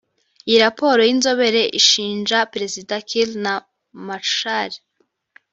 Iyo raporo y’inzobere ishinja Perezida Kiir na Machar